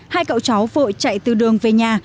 hai cậu cháu vội chạy từ đường về nhà